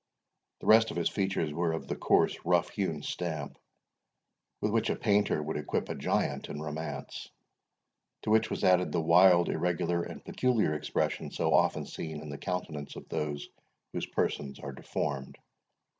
The rest of his features were of the coarse, rough hewn stamp, with which a painter would equip a giant in romance; to which was added the wild, irregular, and peculiar expression, so often seen in the countenances of those whose persons are deformed.